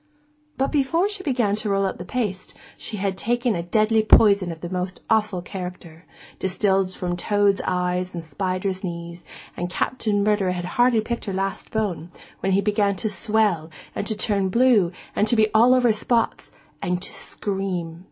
But before she began to roll out the paste she had taken a deadly poison of a most awful character, distilled from toads' eyes and spiders' knees; and Captain Murderer had hardly picked her last bone, when he began to swell, and to turn blue, and to be all over spots, and to scream.